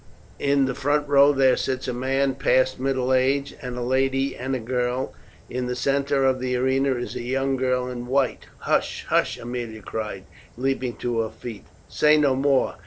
In the front row there sits a man past middle age and a lady and a girl. In the centre of the arena is a young girl in white." "Hush, hush!" Aemilia cried, leaping to her feet, "say no more.